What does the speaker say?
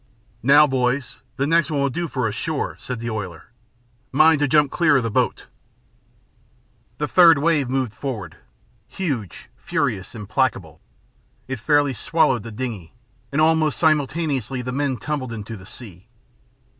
"Now, boys, the next one will do for us, sure," said the oiler. "Mind to jump clear of the boat." The third wave moved forward, huge, furious, implacable. It fairly swallowed the dingey, and almost simultaneously the men tumbled into the sea.